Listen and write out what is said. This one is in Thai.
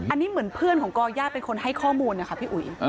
อันนี้เหมือนเพื่อนของก่อย่าเป็นคนให้ข้อมูลนะคะพี่อุ๋ย